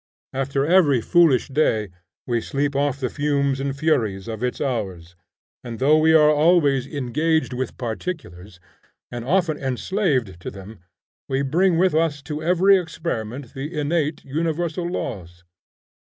After every foolish day we sleep off the fumes and furies of its hours; and though we are always engaged with particulars, and often enslaved to them, we bring with us to every experiment the innate universal laws.